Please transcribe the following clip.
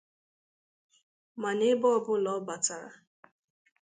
Mana ebe ọbụla ọ bàtàrà